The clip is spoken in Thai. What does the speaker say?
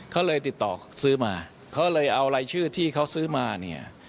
เขาเลยติดต่อซื้อมาเขาเลยเอารายชื่อที่เขาซื้อมาเนี่ย